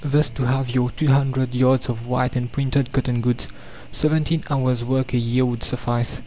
Thus to have your 200 yards of white and printed cotton goods 17 hours' work a year would suffice.